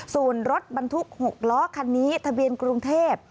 ส่วนรถบรรทุก๖ล้อคันนี้ทะเบียนกรุงเทพ